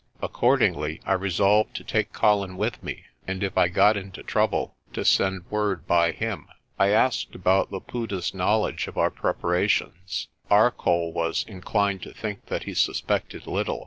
Ac cordingly, I resolved to take Colin with me and, if I got into trouble, to send word by him. I asked about Laputa's knowledge of our preparations. Arcoll was inclined to think that he suspected little.